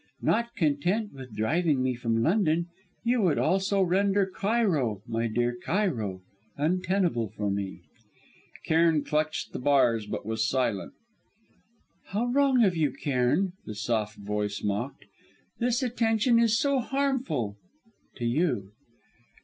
Not content with driving me from London, you would also render Cairo my dear Cairo untenable for me." Cairn clutched the bars but was silent. "How wrong of you, Cairn!" the soft voice mocked. "This attention is so harmful to you.